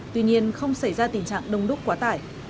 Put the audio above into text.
tuy nhiên không xảy ra tình trạng đông đúc quá tải